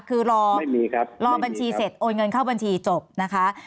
คือรอบัญชีเสร็จโอนเงินเข้าบัญชีจบนะคะ